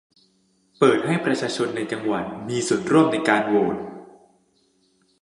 เปิดให้ประชาชนในจังหวัดมีส่วนร่วมในการโหวด